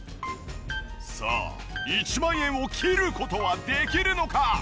さあ１万円を切る事はできるのか？